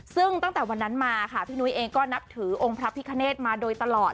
ซึ่งตั้งแต่วันนั้นมาค่ะพี่นุ้ยเองก็นับถือองค์พระพิคเนธมาโดยตลอด